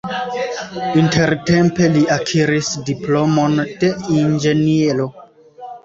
Intertempe li akiris diplomon de inĝeniero.